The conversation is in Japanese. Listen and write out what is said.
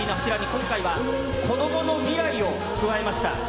今回は、子どもの未来を加えました。